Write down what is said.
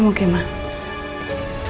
kamu baik baik saja ma